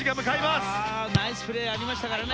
さあナイスプレーありましたからね。